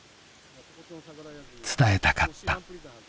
伝えたかった。